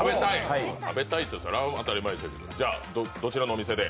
食べたいってそれは当たり前でしょうけど、どちらのお店で？